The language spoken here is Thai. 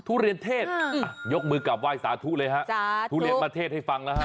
ทุเรียนเทศยกมือกลับไหว้สาธุเลยฮะทุเรียนมาเทศให้ฟังนะฮะ